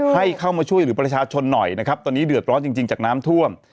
ให้เข้ามาช่วยหรือประชาชนหน่อยนะครับตอนนี้เดือดร้อนจริงจากน้ำท่วม